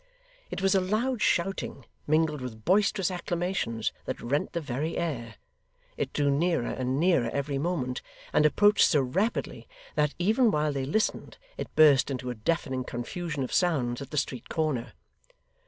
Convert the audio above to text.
It was a loud shouting, mingled with boisterous acclamations, that rent the very air. It drew nearer and nearer every moment, and approached so rapidly, that, even while they listened, it burst into a deafening confusion of sounds at the street corner.